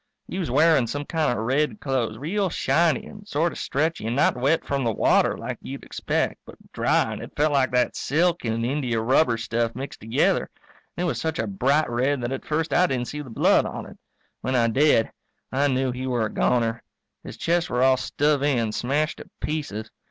He was wearing some kind of red clothes, real shiny and sort of stretchy and not wet from the water, like you'd expect, but dry and it felt like that silk and India rubber stuff mixed together. And it was such a bright red that at first I didn't see the blood on it. When I did I knew he were a goner. His chest were all stove in, smashed to pieces.